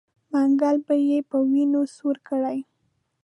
منګل به یې په وینو سور کړي.